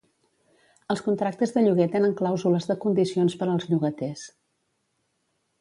Els contractes de lloguer tenen clàusules de condicions per als llogaters.